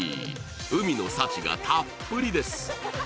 海の幸がたっぷりです。